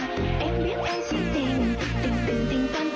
ไส้พูดแทนกับเองรัก